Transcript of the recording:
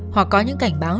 hoặc có những cảnh báo